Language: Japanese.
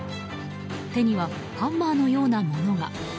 手にはハンマーのようなものが。